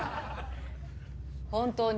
本当に？